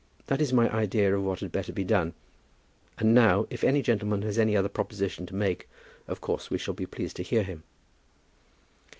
That is my idea of what had better be done; and now, if any gentleman has any other proposition to make, of course we shall be pleased to hear him."